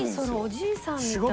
おじいさんみたい。